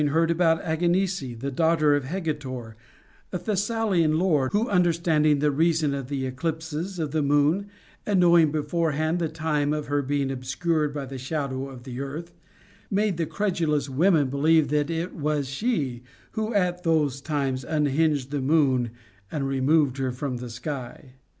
heard about Aganice, the daughter of Hegetor, a Thessa lian lord, who understanding the reason of the eclipses of the moon, and knowing beforehand the time of her being obscured by the shadow of the earth, made the credulous women believe that it was she who at those times unhinged the moon and removed her from the sky.